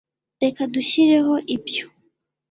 Reka dushyireho ibyo